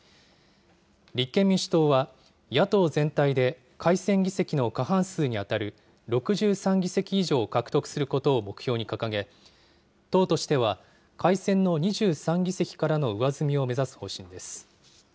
立憲民主党は、野党全体で改選議席の過半数に当たる６３議席以上を獲得することを目標に掲げ、党としては改選の２３議席からの上積みを目指す方針です。